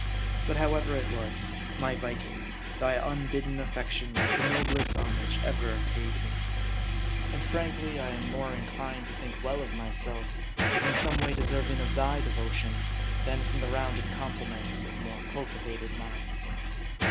But however it was, my Viking, thy unbidden affection was the noblest homage ever paid me. And frankly, I am more jKlined to think well of myself, as in some way deserving thy devotion, than from the rounded compliments of more cultivated minds.